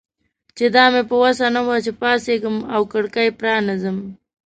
چې دا مې په وسه نه وه چې پاڅېږم او کړکۍ پرانیزم.